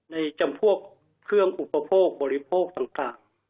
จำพวกเครื่องอุปโภคบริโภคต่าง